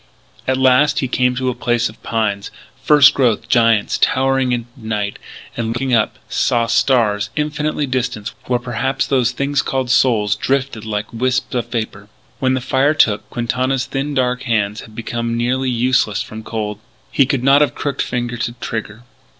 At last he came to a place of pines, first growth giants towering into night, and, looking up, saw stars, infinitely distant, ... where perhaps those things called souls drifted like wisps of vapour. When the fire took, Quintana's thin dark hands had become nearly useless from cold. He could not have crooked finger to trigger.